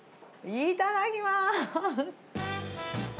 いただきます。